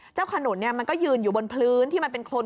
ขนุนมันก็ยืนอยู่บนพื้นที่มันเป็นโครน